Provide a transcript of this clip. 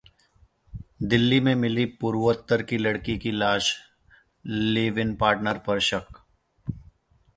दिल्ली में मिली पूर्वोत्तर की लड़की की लाश, लिव इन पार्टनर पर शक